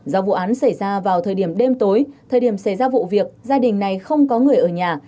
do vụ án xảy ra vào thời điểm đêm tối thời điểm xảy ra vụ việc gia đình này không có người ở nhà